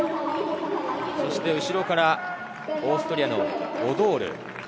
そして後ろからオーストリアのオドール。